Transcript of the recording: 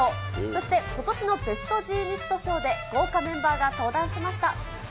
そして今年のベストジーニスト賞で豪華メンバーが登壇しました。